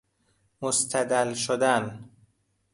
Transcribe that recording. مستدل شدن